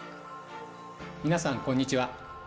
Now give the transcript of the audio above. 皆さん、こんにちは。